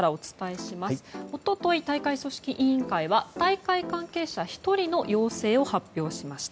一昨日、大会組織委員会は大会関係者１人の陽性を発表しました。